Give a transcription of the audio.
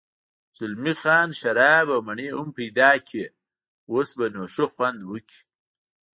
زلمی خان شراب او مڼې هم پیدا کړې، اوس به نو ښه خوند وکړي.